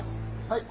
はい。